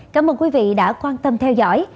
cảm ơn quý vị đã quan tâm theo dõi